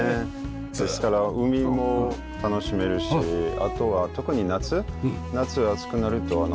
ですから海も楽しめるしあとは特に夏夏暑くなると午後はこの辺はね